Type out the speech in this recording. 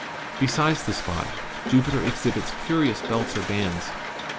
Besides the spots, Jupiter exhibits curious belts or bands.